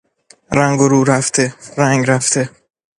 رنگ و رو رفته، رنگ رفته